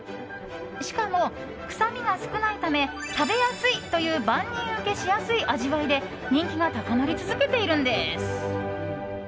しかも臭みが少ないため食べやすいという番人受けしやすい味わいで人気が高まり続けているんです。